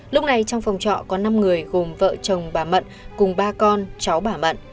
lúc này trong phòng trọ có năm người gồm vợ chồng bà mận cùng ba con cháu bà mận